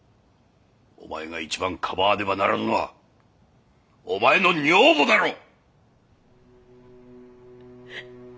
お前が一番かばわねばならぬのはお前の女房だろ！